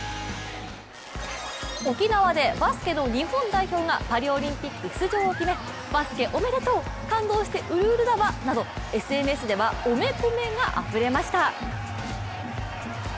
沖縄でバスケの日本代表がパリオリンピック出場を決め「バスケおめでとう」「感動してウルウルだわ」などＳＮＳでは、オメコメがあふれました。